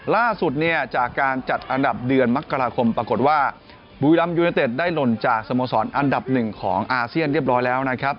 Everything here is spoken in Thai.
ล่าสุดเนี่ยจากการจัดอันดับเดือนมกราคมปรากฏว่าบุรีรัมยูเนเต็ดได้หล่นจากสโมสรอันดับหนึ่งของอาเซียนเรียบร้อยแล้วนะครับ